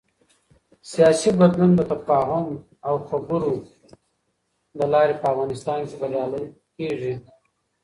سیاسي بدلون د تفاهم او خبرو له لارې په افغانستان کې بریالی کېږي